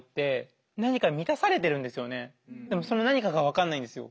でもその何かが分かんないんですよ。